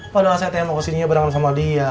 padahal saya tanya mau kesininya berangkat sama dia